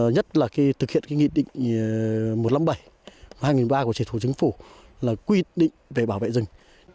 nhất là thực hiện nghị định một trăm năm mươi bảy hai nghìn một mươi ba của chỉ thủ chính phủ là quy định về bảo vệ rừng